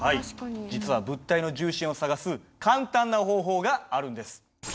実は物体の重心を探す簡単な方法があるんです。